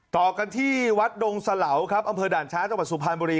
ต่อกันที่วัดดงสะเหลาครับอำเภอด่านช้าจังหวัดสุพรรณบุรี